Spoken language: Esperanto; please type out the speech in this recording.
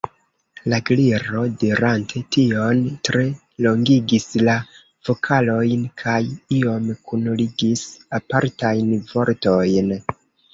La Gliro, dirante tion, tre longigis la vokalojn, kaj iom kunligis apartajn vortojn.